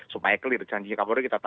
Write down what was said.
supaya clear janjinya kapolri kita pagi ya